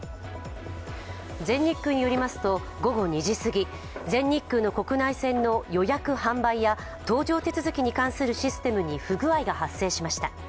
全日空によりますと午後２時すぎ全日空の国内線の予約・販売や搭乗手続きに関するシステムに不具合が発生しました。